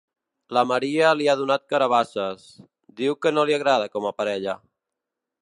La Maria li ha donat carabasses. Diu que no li agrada com a parella.